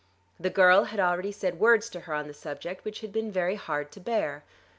The girl had already said words to her on the subject which had been very hard to bear.